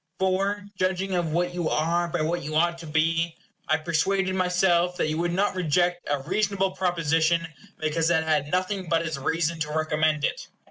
For, judging of what you are by what you ought to be, I persuaded myself that you would not reject a reasonable proposition because it had nothing but its reason to recommend it.